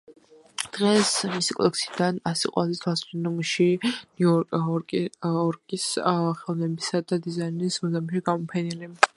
დღეს მისი კოლექციიდან ასი ყველაზე თვალსაჩინო ნიმუში ნიუ-იორკის ხელოვნებისა და დიზაინის მუზეუმშია გამოფენილი.